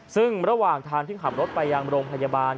ซึ่งระหว่างทางที่ขับรถไปยังโรงพยาบาล